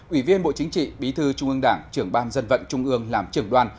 ủy viên bộ chính trị bí thư trung ương đảng trưởng ban dân vận trung ương làm trưởng đoàn